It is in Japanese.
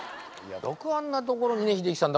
よくあんなところにね英樹さん。